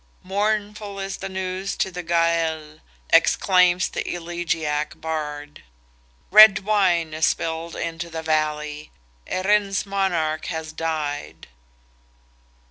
"Mournful is the news to the Gael!" exclaims the elegiac Bard! "Red wine is spilled into the valley! Erin's monarch has died!"